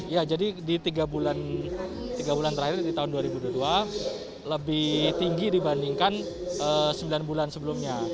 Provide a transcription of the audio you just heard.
ya jadi di tiga bulan terakhir di tahun dua ribu dua puluh dua lebih tinggi dibandingkan sembilan bulan sebelumnya